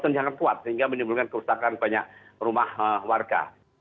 yang sangat kuat sehingga menimbulkan kerusakan banyak rumah warga